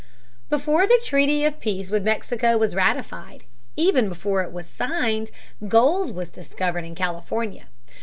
Before the treaty of peace with Mexico was ratified, even before it was signed, gold was discovered in California.